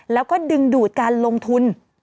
แล้วก็ดึงดูดการลงทุน